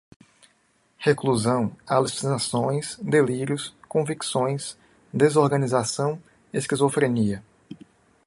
reclusão, alucinações, delírios, convicções, desorganização, esquizofrenia